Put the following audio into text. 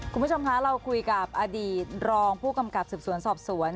คุณผู้ชมคะเราคุยกับอดีตรองผู้กำกับสืบสวนสอบสวน